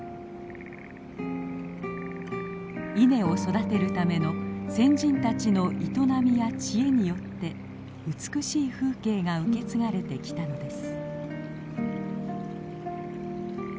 稲を育てるための先人たちの営みや知恵によって美しい風景が受け継がれてきたのです。